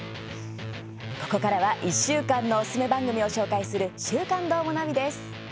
ここからは１週間のおすすめ番組を紹介する「週刊どーもナビ」です。